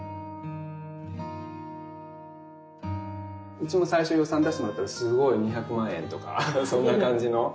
うちも最初予算出してもらったらすごい２００万円とかそんな感じの。